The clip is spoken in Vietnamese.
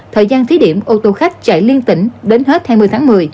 thời gian thí điểm ô tô khách chạy liên tỉnh đến hết hai mươi tháng một mươi